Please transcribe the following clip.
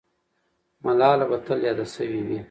ملاله به تل یاده سوې وي.